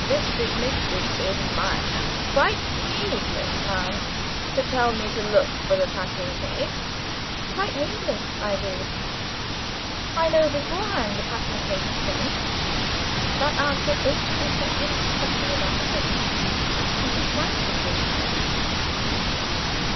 This business is in My hands. Quite needless, ma'am, to tell Me to look for the packing case." "Quite needless," I agreed. "I know beforehand the packing case is gone." That answer instantly set him fussing about the room. Not a sign of the case was to be seen.